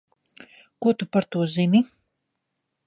Ko tu par to zini?